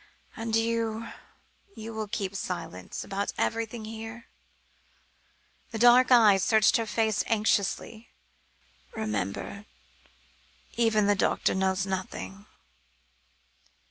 And you you will keep silence about everything here?" The dark eyes searched her face anxiously. "Remember, even the doctor knows nothing."